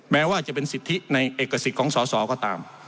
แม้ว่าจะเป็นสิทธิในเอกสิทธิ์ของสอสอก็ตาม